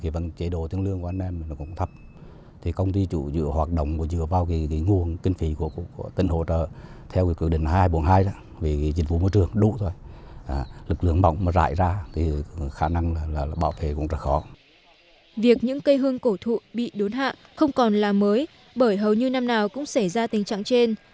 việc những cây hương cổ thụ bị đốn hạ không còn là mới bởi hầu như năm nào cũng xảy ra tình trạng trên